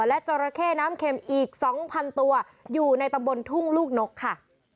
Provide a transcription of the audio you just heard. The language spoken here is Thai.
และจราเข้น้ำเข็มอีก๒๐๐ตัวอยู่ในตำบลทุ่งลูกนกค่ะ